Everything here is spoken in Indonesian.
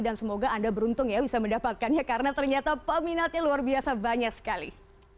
dan semoga anda beruntung bisa mendapatkannya karena ternyata peminatnya luar biasa banyak sekali